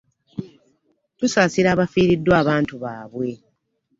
Tusaasira abafiriddwa abantu baabwe.